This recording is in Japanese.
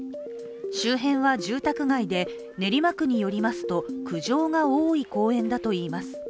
周辺は住宅街で練馬区によりますと苦情が多い公園だといいます。